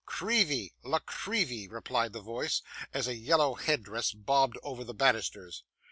'Creevy La Creevy,' replied the voice, as a yellow headdress bobbed over the banisters.